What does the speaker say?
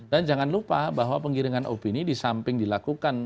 dan jangan lupa bahwa penggiringan opini disamping dilakukan